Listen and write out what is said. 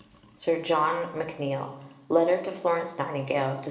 SIR JOHN MCNEILL (Letter to Florence Nightingale, Dec.